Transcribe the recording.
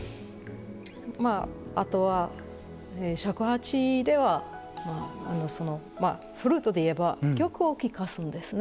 まああとは尺八ではフルートで言えば曲を聴かすんですね。